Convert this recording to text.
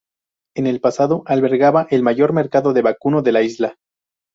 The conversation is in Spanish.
En el pasado albergaba el mayor mercado de vacuno de la isla.